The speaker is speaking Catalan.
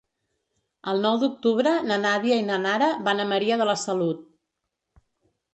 El nou d'octubre na Nàdia i na Nara van a Maria de la Salut.